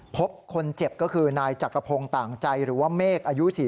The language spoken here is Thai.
พบคนเจ็บก็คือนายจักรพงศ์ต่างใจหรือว่าเมฆอายุ๔๐